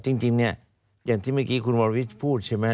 จริงเนี่ยอย่างที่เมื่อกี้คุณวรวิทย์พูดใช่ไหม